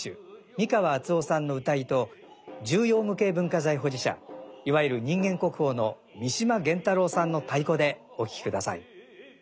三川淳雄さんの謡と重要無形文化財保持者いわゆる人間国宝の三島元太郎さんの太鼓でお聴きください。